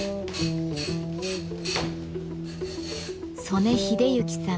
曽根秀幸さん。